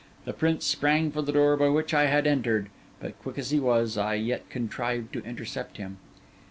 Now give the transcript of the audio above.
The prince sprang for the door by which I had entered; but quick as he was, I yet contrived to intercept him.